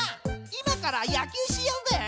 今から野球しようぜ！